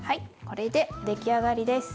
これで出来上がりです。